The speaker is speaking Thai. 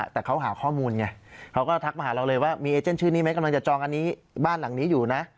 แต่เขาหาข้อมูลไงเขาก็ทักมาหาเราเลยว่ามีเอเจนชื่อนี้ไหมกำลังจะจองอันนี้บ้านหลังนี้อยู่นะ